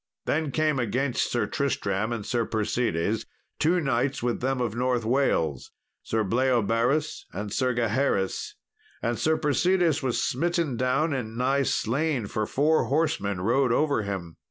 Then came against Sir Tristram and Sir Persides, two knights with them of North Wales, Sir Bleoberis and Sir Gaheris; and Sir Persides was smitten down and nigh slain, for four horsemen rode over him.